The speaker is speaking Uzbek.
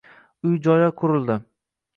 Uy-joylar qurildi.